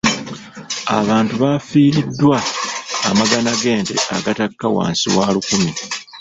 Abantu bafiiriddwa amagana g'ente agatakka wansi wa lukumi.